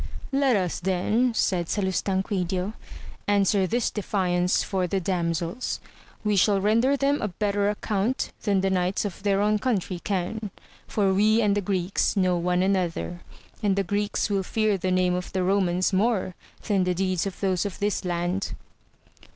Let us then, said Salustanquidio, answer this defiance for the damsels, we shall render them a better account than the knights of their own country can, for we and the Greeks know one another, and the Greeks will fear the name of the Eomans more than the deeds of those of this land.